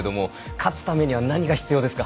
勝つためには何が必要ですか？